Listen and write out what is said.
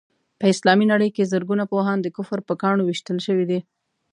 په اسلامي نړۍ کې زرګونه پوهان د کفر په ګاڼو ويشتل شوي دي.